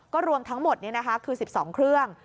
ก็รวมทั้งหมดนี่นะคะคือ๑๒เครื่อง